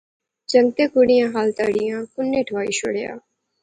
جنگتیں کڑئیں ہال تاڑئیں کنے ٹھوائی شوڑیا